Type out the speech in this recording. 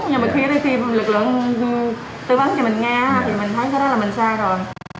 nhưng mà khi lực lượng tư vấn cho mình nghe thì mình thấy ra là mình sai rồi